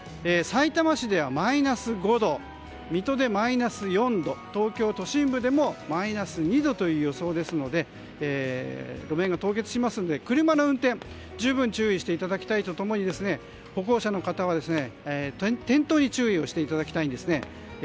さいたま市ではマイナス５度水戸でマイナス４度東京都心部でもマイナス２度という予想ですので路面が凍結しますので車の運転に、十分注意していただきたいと共に歩行者の方は、転倒に注意をしていただきたいです。